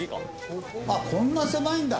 あっこんな狭いんだ。